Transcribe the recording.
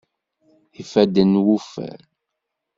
D ifadden n wuffal.